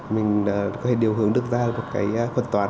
mình có thể điều hướng được ra một cái thuật toán